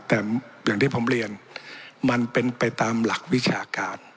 แต่อย่างที่ผมเรียนมันเป็นไปตามหลักวิชาการ